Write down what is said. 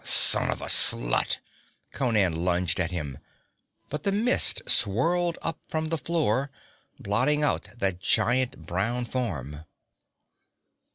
'Son of a slut!' Conan lunged at him. But the mist swirled up from the floor, blotting out that giant brown form.